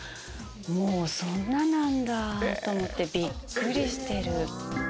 もうそんななんだ！と思ってビックリしてる。